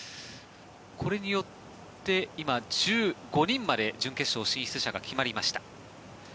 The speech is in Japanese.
これによって今、１５人まで準決勝進出者が決まりました。